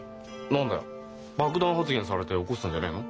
何だよ爆弾発言されて怒ってたんじゃねえの？